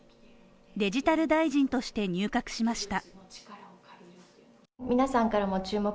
デジタル大臣として入閣しました。